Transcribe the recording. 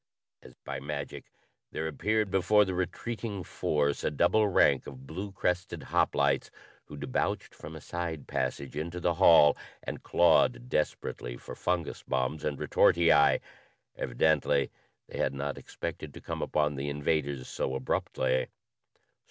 ] As by magic, there appeared before the retreating force a double rank of blue crested hoplites who debouched from a side passage into the hall and clawed desperately for fungus bombs and retortii. Evidently they had not expected to come upon the invaders so abruptly.